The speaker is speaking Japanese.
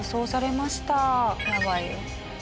やばいよ。